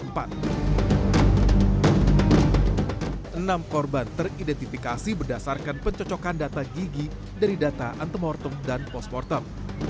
enam korban teridentifikasi berdasarkan pencocokan data gigi dari data antemortem dan postmortem